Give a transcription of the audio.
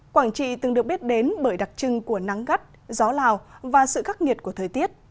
quảng trị từng được biết đến bởi đặc trưng của nắng gắt gió lào và sự khắc nghiệt của thời tiết